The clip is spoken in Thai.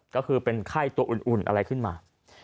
ก็คือเป็นไข้ตัวอุ่นอะไรขึ้นมา